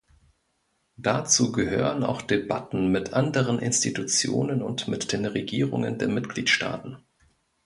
Dazu gehören auch Debatten mit anderen Institutionen und mit den Regierungen der Mitgliedstaaten.